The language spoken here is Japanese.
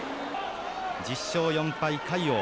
１０勝４敗、魁皇。